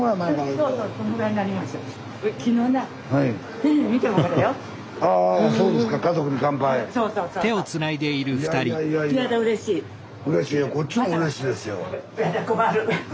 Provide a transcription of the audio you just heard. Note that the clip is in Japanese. やだ困る。